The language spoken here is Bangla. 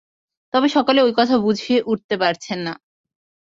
তবে সকলে ঐ কথা বুঝে উঠতে পারছে না।